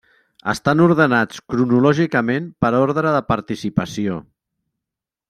Estan ordenats cronològicament per ordre de participació.